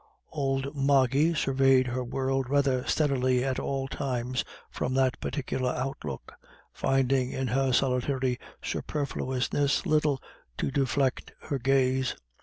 Old Moggy surveyed her world rather steadily at all times from that particular outlook, finding in her solitary superfluousness little to deflect her gaze.